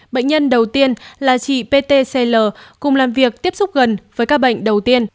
bệnh nhân đầu tiên là chị ptcl cùng làm việc tiếp xúc gần với các bệnh đầu tiên